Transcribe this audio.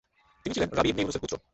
তিনি ছিলেন আল রাবি ইবনে ইউনূসের পূত্র।